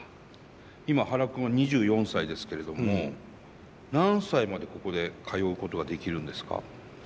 今ハラ君は２４歳ですけれども何歳までここで通うことができるんですか？